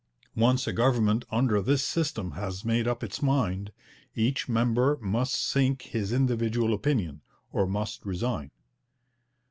Once a government under this system has made up its mind, each member must sink his individual opinion, or must resign.